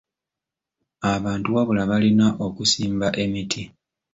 Abantu wabula balina okusimba emiti.